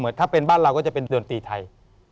ถ้าเป็นบ้านเราก็จะเป็นดนตรีไทย